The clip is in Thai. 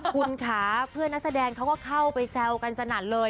คุณค่ะเพื่อนนักแสดงเขาก็เข้าไปแซวกันสนั่นเลย